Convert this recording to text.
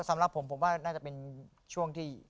สำหรับผมผมว่าน่าจะเป็นช่วงที่